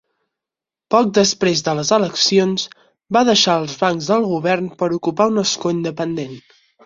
Poc després de les eleccions, va deixar els bancs del govern per ocupar un escó independent.